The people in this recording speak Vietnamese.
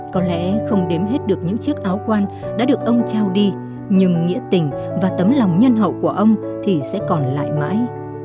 có lẽ không đếm hết được những chiếc áo quan đã được ông trao đi nhưng nghĩa tình và tấm lòng nhân hậu của ông thì sẽ còn lại mãi